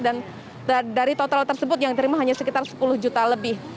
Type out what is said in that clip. dari total tersebut yang terima hanya sekitar sepuluh juta lebih